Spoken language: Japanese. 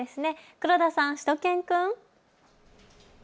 黒田さん、しゅと犬くん。